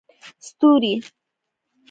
ستوري